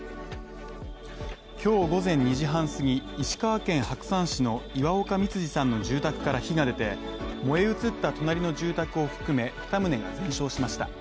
今日午前２時半すぎ、石川県白山市の岩岡光治さんの住宅から火が出て燃え移った隣の住宅を含め２棟が全焼しました。